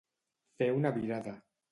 Fer una virada.